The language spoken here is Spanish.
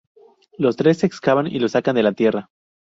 Los tres excavan y lo sacan de la tierra.